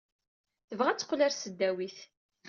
Tebɣa ad teqqel ɣer tesdawit.